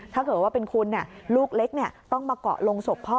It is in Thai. ถ้าเกิดว่าเป็นคุณลูกเล็กต้องมาเกาะลงศพพ่อ